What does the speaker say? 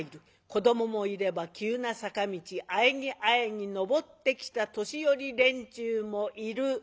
子どももいれば急な坂道あえぎあえぎ登ってきた年寄り連中もいる。